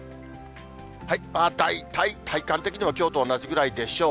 まあ大体体感的にはきょうと同じぐらいでしょう。